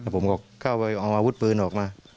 ผมก็เข้าไปเอาอาวุธปืนออกมา